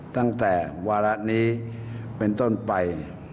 ตั้งแต่วาระนี้เป็นต้นไป